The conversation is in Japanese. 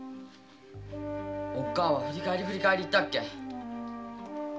おっ母は振り返り振り返り行ったっけ。